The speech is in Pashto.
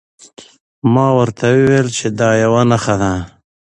ما ورته وویل چې دا یوه نښه ده.